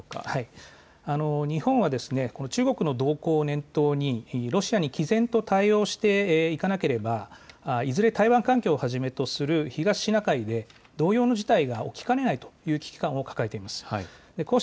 日本は中国の動向を念頭にロシアに毅然と対応していかなければいずれ台湾海峡をはじめとする東シナ海で同様の事態が起きかねないと危機感を抱えています。